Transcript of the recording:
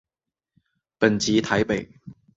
本籍台北。